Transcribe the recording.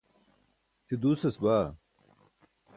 je duusas baa